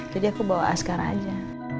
jadi aku bawa asghar aja